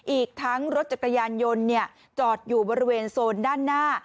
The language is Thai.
อีกทั้งรถจักรยานยนต์จอดอยู่บริเวณโซนด้านหน้า